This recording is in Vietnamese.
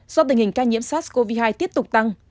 do tình hình ca nhiễm sars cov hai tiếp tục tăng